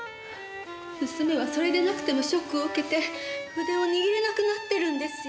娘はそれでなくてもショックを受けて筆を握れなくなってるんですよ。